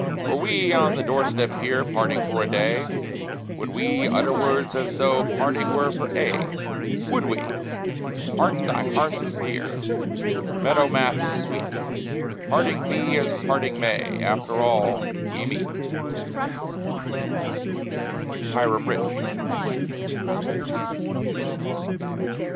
Were we on the door step here, Parting for a day, Would we utter words as though Parting were for aye? Would we? Heart, the hearth is dear, Meadow math is sweet; Parting be as parting may, After all, we meet. HIRAM RICH.